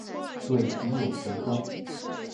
对情有独钟。